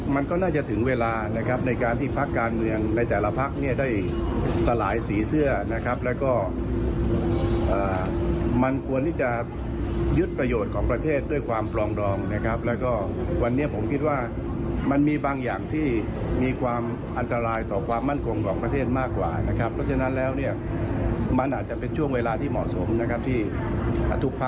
มันก็น่าจะถึงเวลานะครับในการที่พักการเมืองในแต่ละพักเนี่ยได้สลายสีเสื้อนะครับแล้วก็มันควรที่จะยึดประโยชน์ของประเทศด้วยความปลองดองนะครับแล้วก็วันนี้ผมคิดว่ามันมีบางอย่างที่มีความอันตรายต่อความมั่นคงของประเทศมากกว่านะครับเพราะฉะนั้นแล้วเนี่ยมันอาจจะเป็นช่วงเวลาที่เหมาะสมนะครับที่ทุกพัก